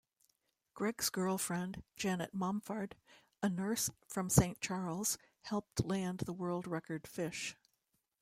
Greg's girlfriend, Janet Momphard, a nurse from Saint Charles, helped land the world-record fish.